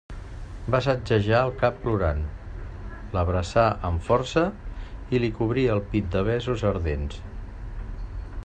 Va sacsejar el cap plorant, l'abraçà amb força i li cobrí el pit de besos ardents.